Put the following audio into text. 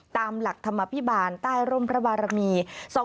ตามหลักธรรมภิบาลใต้ร่มพระบารมี